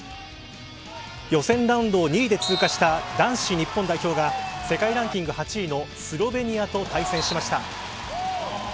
予選ラウンドを２位で通過した男子日本代表が世界ランキング８位のスロベニアと対戦しました。